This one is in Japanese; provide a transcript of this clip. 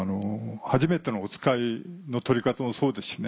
『はじめてのおつかい』の撮り方もそうですしね